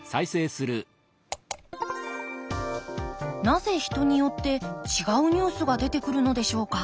なぜ人によって違うニュースが出てくるのでしょうか。